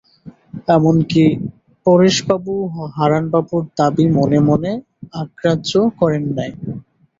এমন-কি, পরেশবাবুও হারানবাবুর দাবি মনে মনে অগ্রাহ্য করেন নাই।